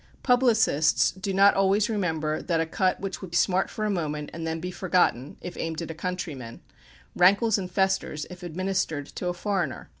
Publicists do not always remember that a cut which would smart for a moment, and then be forgotten, if aimed at a countryman, rankles and festers if administered to a foreigner.